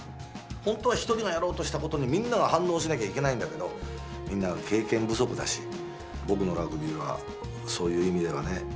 ほんとは１人がやろうとしたことにみんなが反応しなきゃいけないんだけどみんなが経験不足だし僕のラグビーはそういう意味ではね